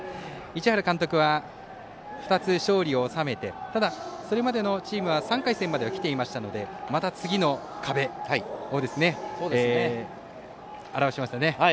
市原監督は２つ勝利を収めてそれまでのチームは３回戦まではきていましたのでまた次の壁と言ってましたね。